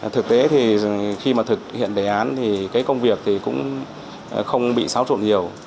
thực tế thì khi mà thực hiện đề án thì cái công việc thì cũng không bị xáo trộn nhiều